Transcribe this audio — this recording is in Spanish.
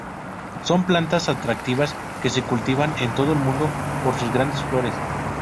Son plantas atractivas que se cultivan en todo el mundo por sus grandes flores.